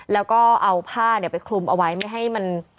แล้วก็เอาผ้าไปคลุมเอาไว้ไม่ให้มัน